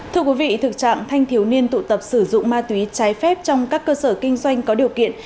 thưa quý vị thực trạng thanh thiếu niên tụ tập sử dụng ma túy trái phép trong các cơ sở kinh doanh có điều kiện